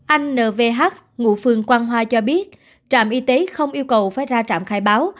anh nvh ngụ phường quang hoa cho biết trạm y tế không yêu cầu phải ra trạm khai báo